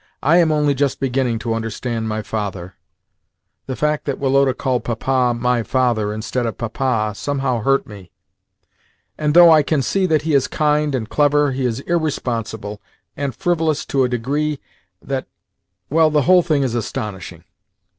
I am only just beginning to understand my father " the fact that Woloda called Papa "my father" instead of "Papa" somehow hurt me "and though I can see that he is kind and clever, he is irresponsible and frivolous to a degree that Well, the whole thing is astonishing.